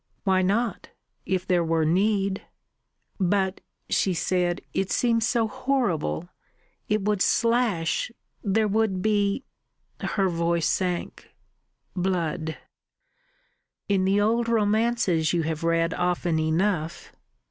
"Why not? If there were need." "But," she said, "it seems so horrible. It would slash.... There would be" her voice sank, "blood." "In the old romances you have read often enough